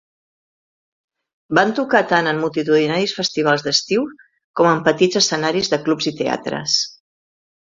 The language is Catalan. Van tocar tant en multitudinaris festivals d'estius com en petits escenaris de clubs i teatres.